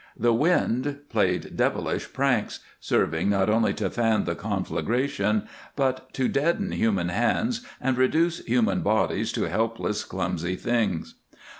The wind played devilish pranks, serving not only to fan the conflagration, but to deaden human hands and reduce human bodies to helpless, clumsy things.